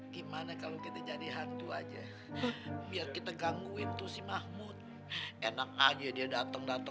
gimana kalau kita jadi hantu aja biar kita gangguin tuh si mahmud enak aja dia datang datang